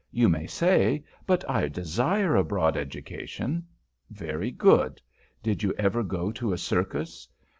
You may say, "But I desire a broad education." Very good. Did you ever go to a circus?